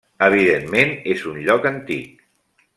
Evidentment és un lloc antic.